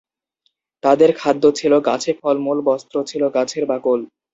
তাদের খাদ্য ছিল গাছে ফলমূল, বস্ত্র ছিল গাছের বাকল।